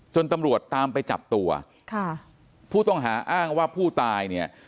ตำรวจตามไปจับตัวค่ะผู้ต้องหาอ้างว่าผู้ตายเนี่ย